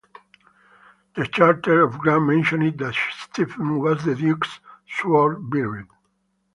The charter of grant mentioned that Stephen was the duke's swordbearer.